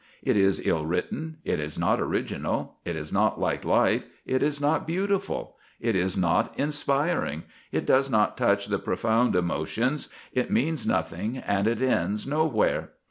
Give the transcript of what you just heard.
It is ill written, it is not original, it is not like life, it is not beautiful, it is not inspiring, it does not touch the profound emotions, it means nothing, and it ends nowhere.